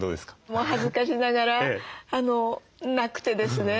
もう恥ずかしながらなくてですね。